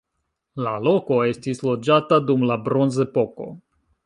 La loko estis loĝata dum la bronzepoko.